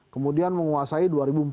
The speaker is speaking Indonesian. kemudian menguasai dua ribu empat belas